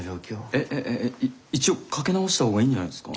えっえっ一応かけ直した方がいいんじゃないですか？